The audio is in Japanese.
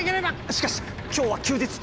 しかし今日は休日。